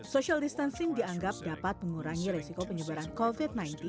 social distancing dianggap dapat mengurangi resiko penyebaran covid sembilan belas